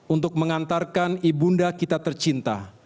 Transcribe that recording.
untuk mengantarkan ibunda kita tercinta